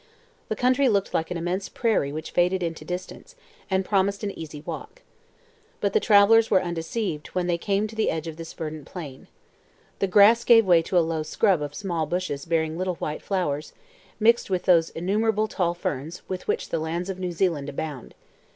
The country looked like an immense prairie which faded into distance, and promised an easy walk. But the travelers were undeceived when they came to the edge of this verdant plain. The grass gave way to a low scrub of small bushes bearing little white flowers, mixed with those innumerable tall ferns with which the lands of New Zealand abound.